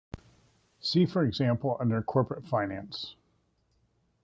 See for example under corporate finance.